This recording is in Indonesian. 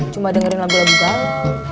cuma dengerin lagu lagu galau